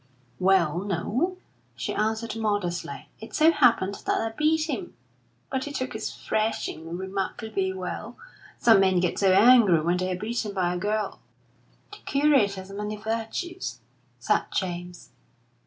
"Well, no," she answered, modestly. "It so happened that I beat him. But he took his thrashing remarkably well some men get so angry when they're beaten by a girl." "The curate has many virtues," said James.